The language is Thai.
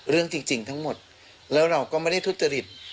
เรื่องจริงจริงทั้งหมดแล้วเราก็ไม่ได้ทุษฎฤทธิ์